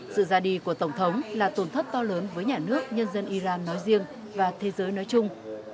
sự ra đi của tổng thống là tổn thất to lớn với nhà nước nhân dân iran nói riêng và thế giới nói chung